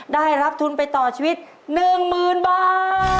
ได้รับทุนไปต่อชีวิต๑๐๐๐บาท